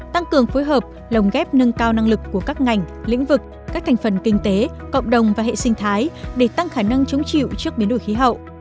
tăng cường phối hợp lồng ghép nâng cao năng lực của các ngành lĩnh vực các thành phần kinh tế cộng đồng và hệ sinh thái để tăng khả năng chống chịu trước biến đổi khí hậu